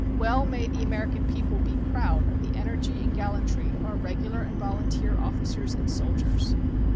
Well may the American people be proud of the energy and gallantry of our regular and volunteer officers and soldiers.